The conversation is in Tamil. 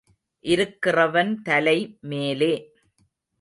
இருக்கிறவன் தலை மேலே.